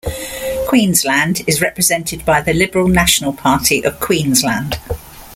Queensland is represented by the Liberal National Party of Queensland.